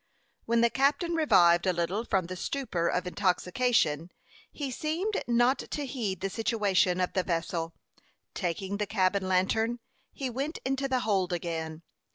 When the captain revived a little from the stupor of intoxication, he seemed not to heed the situation of the vessel. Taking the cabin lantern, he went into the hold again.